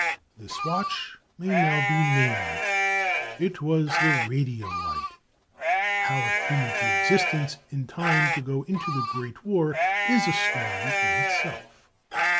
This watch may now be named; it was the "Radiolite." How it came into existence in time to go into the Great War is a story in itself.